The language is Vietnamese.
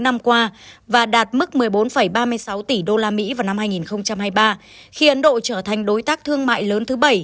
năm qua và đạt mức một mươi bốn ba mươi sáu tỷ đô la mỹ vào năm hai nghìn hai mươi ba khi ấn độ trở thành đối tác thương mại lớn thứ